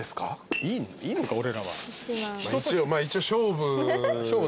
一応勝負。